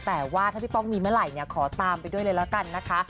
แต่ว่าถ้าพี่ป้องมีเมื่อไหร่เนี่ยขอตามไปด้วยเลยละกันนะคะ